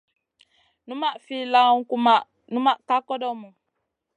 Numaʼ fi lawn kumaʼa numa ka kodomu.